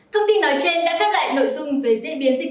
cảm ơn các bạn đã theo dõi và ủng hộ cho great việt nam